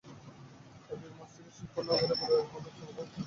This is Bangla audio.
এপ্রিল থেকেই শিল্পনগরে পরিবেশবান্ধব চামড়া ও চামড়াজাত পণ্য উত্পাদন শুরু হবে।